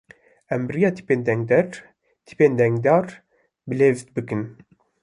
Em bi rêya tîpên dengdêr, tîpên dengdar bi lêv bikin.